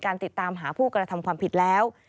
ติดตามหาผู้กระทำความผิดแล้ว